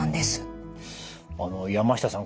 あの山下さん